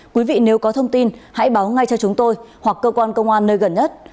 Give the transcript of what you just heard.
quý vị nếu có thông tin hãy báo ngay cho chúng tôi hoặc cơ quan công an nơi gần nhất